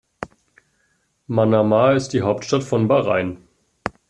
Manama ist die Hauptstadt von Bahrain.